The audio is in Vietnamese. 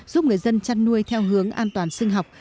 giúp người dân chăn nuôi theo hướng an toàn sinh học